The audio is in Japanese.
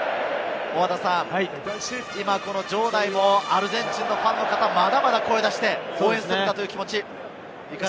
場内もアルゼンチンのファンの方はまだまだ声を出して応援するんだという気持ち。